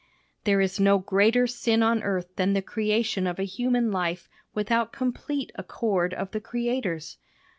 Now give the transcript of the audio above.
There is no greater sin on earth than the creation of a human life without complete accord of the creators.